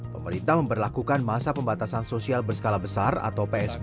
pemerintah memperlakukan masa pembatasan sosial berskala besar atau psbb di sejumlah kota